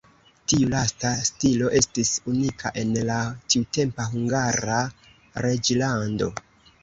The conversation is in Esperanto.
Tiu lasta stilo estis unika en la tiutempa Hungara reĝlando.